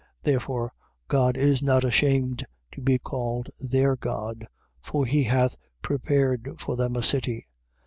Therefore, God is not ashamed to be called their God: for he hath prepared for them a city.